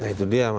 nah itu dia mas